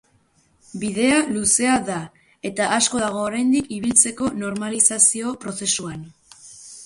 Bidea luzea da eta, asko dago oraindik ibiltzeko normalizazio prozesuan.